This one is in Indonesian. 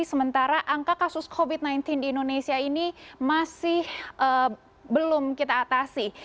sementara angka kasus covid sembilan belas di indonesia ini masih belum kita atasi